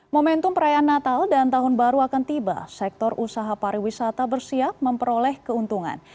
momentum perayaan natal dan tahun baru akan tiba sektor usaha pariwisata bersiap memperoleh keuntungan